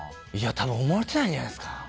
多分思われてないんじゃないですか。